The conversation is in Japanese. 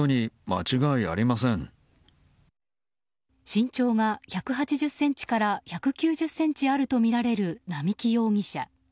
身長が１８０ｃｍから１９０ｃｍあるとみられる並木容疑者。